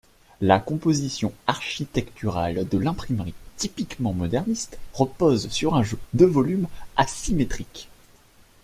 La composition architecturale de l'imprimerie, typiquement moderniste, repose sur un jeu de volumes asymétriques.